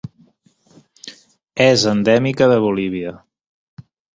És endèmica de Bolívia.